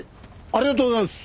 ありがとうございます！